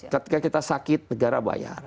ketika kita sakit negara bayar